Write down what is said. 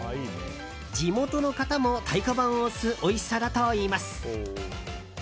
地元の方も太鼓判を押すおいしさだといいます。